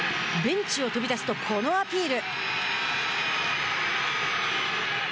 ベンチを飛び出すとこのアピール。